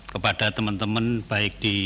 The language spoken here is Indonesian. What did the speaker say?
kepada teman teman baik di